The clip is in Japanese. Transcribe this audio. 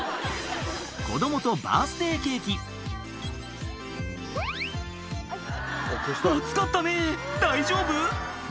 子供とバースデーケーキ熱かったね大丈夫？